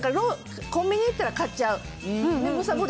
コンビニ行ったら買っちゃう。